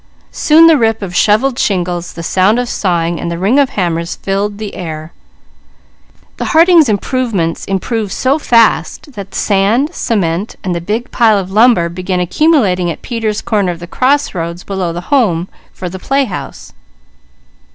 Soon the rip of shovelled shingles, the sound of sawing, and the ring of hammers filled the air. The Harding improvements improved so fast, that sand, cement, and the big pile of lumber began accumulating at Peter's corner of the crossroads below the home, for the playhouse.